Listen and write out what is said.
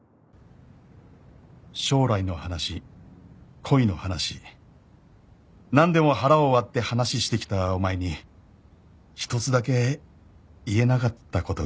「将来の話恋の話何でも腹を割って話してきたお前に一つだけ言えなかったことがある」